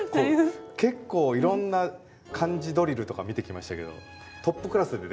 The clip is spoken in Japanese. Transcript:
結構いろんな漢字ドリルとか見てきましたけどトップクラスででかいです。